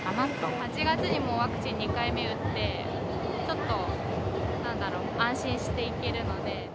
８月にワクチン２回目打って、ちょっとなんだろう、安心して行けるので。